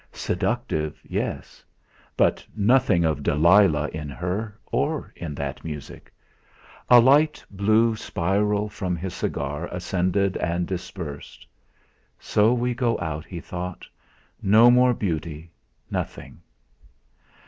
Seductive, yes; but nothing of Delilah in her or in that music. A long blue spiral from his cigar ascended and dispersed. 'So we go out!' he thought. 'No more beauty! Nothing?'